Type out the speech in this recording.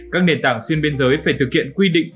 các nền tảng xuyên biên giới phải thực hiện quy định